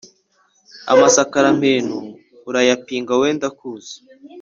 amasakaramentu urayapinga wowe ndakuzi